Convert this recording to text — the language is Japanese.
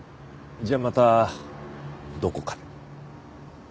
じゃあまたどこかで。